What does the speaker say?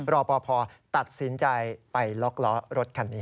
รอปภตัดสินใจไปล็อกล้อรถคันนี้